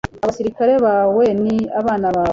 abasirikare bawe ni abana bawe